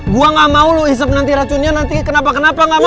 gue gak mau loh isep nanti racunnya nanti kenapa kenapa nggak mau